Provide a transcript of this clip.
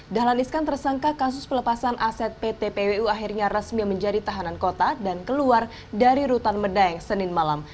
dahlan iskan tersangka kasus pelepasan aset pt pwu akhirnya resmi menjadi tahanan kota dan keluar dari rutan medaeng senin malam